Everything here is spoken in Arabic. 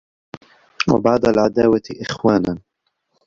وَبَعْدَ الْعَدَاوَةِ إخْوَانًا